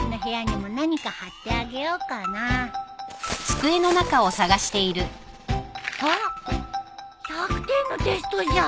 あっ１００点のテストじゃん。